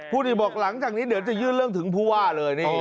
อดีตบอกหลังจากนี้เดี๋ยวจะยื่นเรื่องถึงผู้ว่าเลย